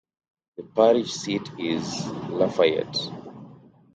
The parish seat is Lafayette.